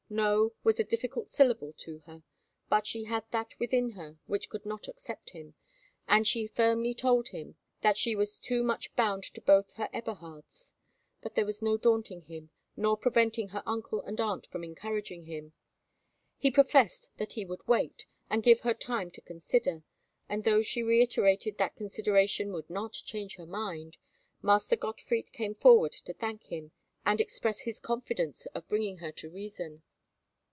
"No" was a difficult syllable to her, but she had that within her which could not accept him; and she firmly told him that she was too much bound to both her Eberhards. But there was no daunting him, nor preventing her uncle and aunt from encouraging him. He professed that he would wait, and give her time to consider; and though she reiterated that consideration would not change her mind, Master Gottfried came forward to thank him, and express his confidence of bringing her to reason.